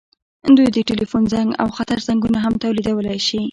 دوی د ټیلیفون زنګ او خطر زنګونه هم تولیدولی شي.